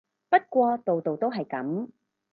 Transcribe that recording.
不過度度都係噉